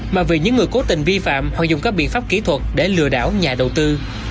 mà vì những người cố tình vi phạm hoặc dùng các biện pháp kỹ thuật để lừa đảo nhà đầu tư